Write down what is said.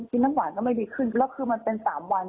น้ำหวานก็ไม่ดีขึ้นแล้วคือมันเป็น๓วัน